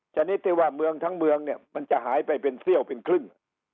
ชนิดที่ว่าเมืองทั้งเมืองเนี่ยมันจะหายไปเป็นเซี่ยวเป็นครึ่ง